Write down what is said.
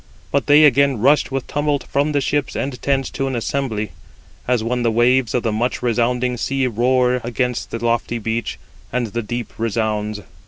But they again rushed with tumult from the ships and tents to an assembly, as when the waves of the much resounding sea roar against the lofty beach, and the deep resounds.